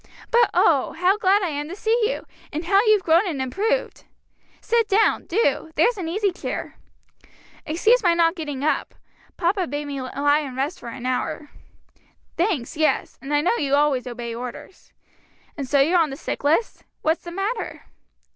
But oh, how glad I am to gee you! and how you've grown and improved. Sit down, do. There's an easy chair. "Excuse my not getting up; papa bade me lie and rest for an hour." "Thanks, yes; and I know you always obey orders. And so you're on the sick list? what's the matter?"